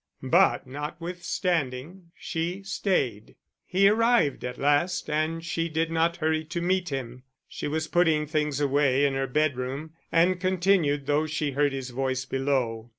But, notwithstanding, she stayed. He arrived at last, and she did not hurry to meet him; she was putting things away in her bedroom, and continued though she heard his voice below.